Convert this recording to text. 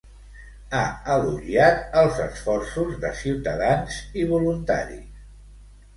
Ha elogiat els esforços de ciutadans i voluntaris.